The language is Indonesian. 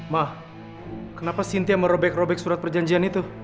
mah kenapa sintia merobek robek surat perjanjian itu